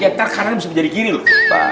hentar kanan bisa menjadi kiri loh